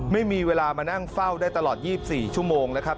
ไม่มีเวลามานั่งเฝ้าได้ตลอด๒๔ชั่วโมงนะครับ